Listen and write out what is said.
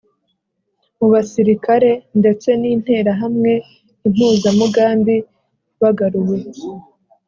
mu basirikare ndetse n Interahamwe Impuzamugambi bagaruwe